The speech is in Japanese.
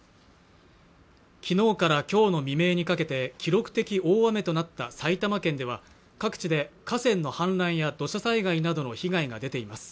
きのうからきょうの未明にかけて記録的大雨となった埼玉県では各地で河川の氾濫や土砂災害などの被害が出ています